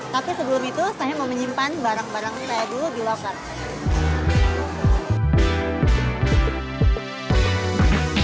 tapi sebelum itu saya mau menyimpan barang barang saya dulu di lokal